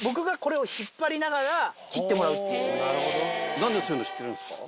何でそういうの知ってるんですか？